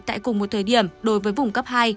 tại cùng một thời điểm đối với vùng cấp hai